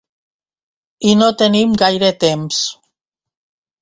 I no tenim gaire temps.